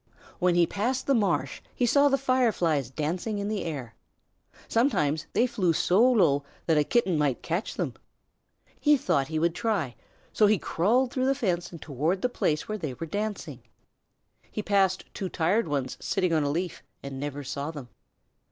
When he passed the marsh he saw the Fireflies dancing in the air. Sometimes they flew so low that a Kitten might catch them. He thought he would try, so he crawled through the fence and toward the place where they were dancing. He passed two tired ones sitting on a leaf and never saw them.